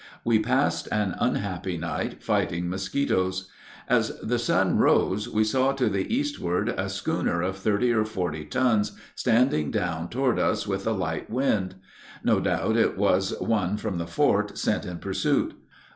We passed an unhappy night fighting mosquitos. As the sun rose, we saw to the eastward a schooner of thirty or forty tons standing down toward us with a light wind; no doubt it was one from the fort sent in pursuit.